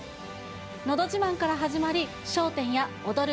のど自慢から始まり、笑点や踊る！